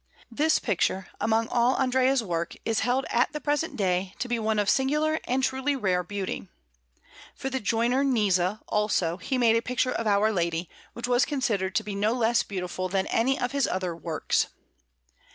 This picture, among all Andrea's works, is held at the present day to be one of singular and truly rare beauty. For the joiner Nizza, also, he made a picture of Our Lady, which was considered to be no less beautiful than any of his other works.